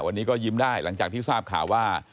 วันนี้ก็ยิ้มได้หลังจากที่ทราบข่าวว่า